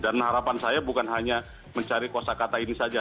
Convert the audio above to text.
dan harapan saya bukan hanya mencari kosa kata ini saja